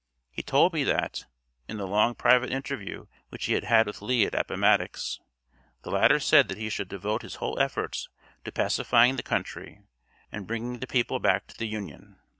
He told me that, in the long private interview which he had with Lee at Appomattox, the latter said that he should devote his whole efforts to pacifying the country and bringing the people back to the Union.